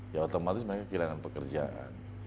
ya otomatis mereka kehilangan pekerjaan